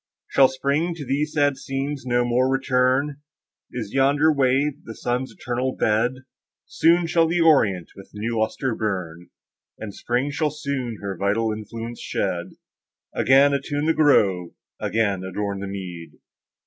Shall Spring to these sad scenes no more return? Is yonder wave the sun's eternal bed?— Soon shall the orient with new lustre burn, And Spring shall soon her vital influence shed, Again attune the grove, again adorn the mead!